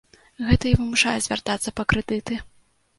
Гэта і вымушае звяртацца па крэдыты.